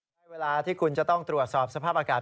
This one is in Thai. ในเวลาที่คุณจะต้องตรวจสอบสภาพอากาศ